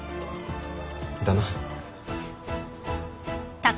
だな。